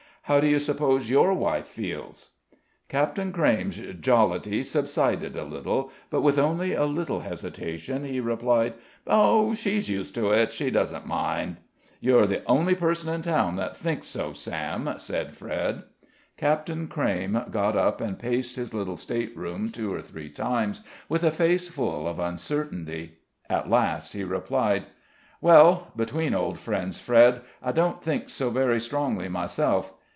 "How do you suppose your wife feels?" Captain Crayme's jollity subsided a little, but with only a little hesitation he replied: "Oh! she's used to it; she doesn't mind it." "You're the only person in town that thinks so, Sam," said Fred. Captain Crayme got up and paced his little stateroom two or three times, with a face full of uncertainty. At last he replied: "Well, between old friends, Fred, I don't think so very strongly myself.